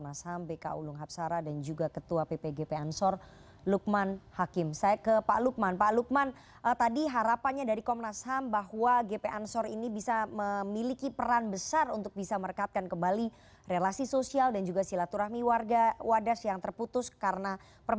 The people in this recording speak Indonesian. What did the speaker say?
nah ini langkah langkah dari gp ansor untuk bisa merekatkan kembali silaturahmi relasi sosial